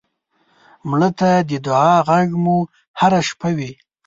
مړه ته د دعا غږ مو هر شپه وي